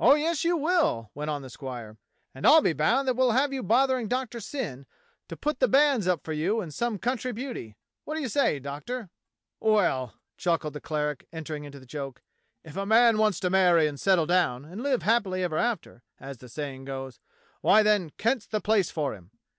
"Oh, yes, you will," went on the squire. "And I'll be bound that we'll have you bothering Doctor Syn to DOCTOR SYN TAKES COLD 4S put the banns up for you and some country beauty. \^Tiat do you say, Doctor?" "Well," chuckled the cleric, entering into the joke, "if a man wants to marry and settle down, and live happily ever after, as the saying goes, why, then, Kent's the place for him.